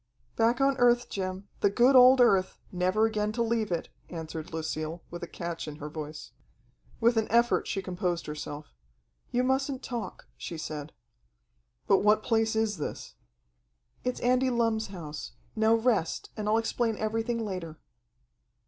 "Back on earth, Jim, the good old earth, never again to leave it," answered Lucille, with a catch in her voice. With an effort she composed herself. "You mustn't talk," she said. "But what place is this?" "It's Andy Lumm's house. Now rest, and I'll explain everything later."